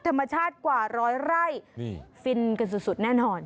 ธรรมชาติกว่าร้อยไร่นี่ฟินกันสุดแน่นอน